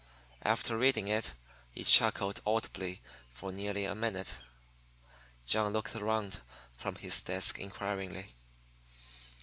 After reading it, he chuckled audibly for nearly a minute. John looked around from his desk inquiringly.